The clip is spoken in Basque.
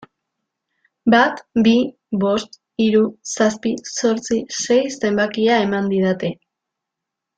Bat bi bost hiru zazpi zortzi sei zenbakia eman didate.